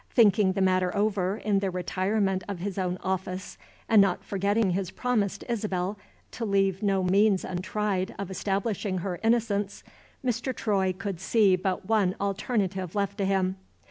Thinking the matter over in the retirement of his own office and not forgetting his promise to Isabel to leave no means untried of establishing her innocence Mr. Troy could see but one alternative left to him.